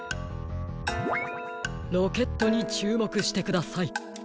ロケットにちゅうもくしてください。